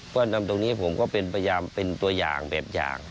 เพราะฉะนั้นตรงนี้ผมก็เป็นพยายามเป็นตัวอย่างแบบอย่าง